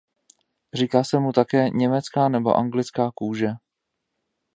Říká se mu také "německá" nebo "anglická kůže".